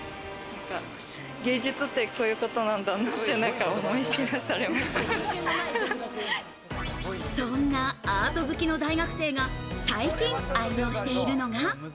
芸術って、こういうことなんそんなアート好きな大学生が最近、愛用しているのが。